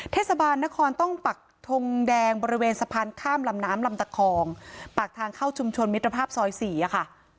เทศบาลนครต้องปักทงแดงบริเวณสะพานข้ามลำน้ำลำตะคองปากทางเข้าชุมชนมิตรภาพซอย๔ค่ะ